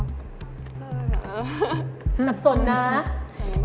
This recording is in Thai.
เออซับสนนะ